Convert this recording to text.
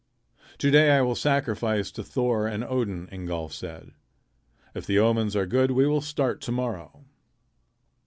"To day I will sacrifice to Thor and Odin," Ingolf said. "If the omens are good we will start to morrow."